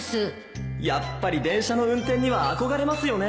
やっぱり電車の運転には憧れますよね